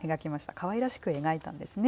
かわいらしく描いたんですね。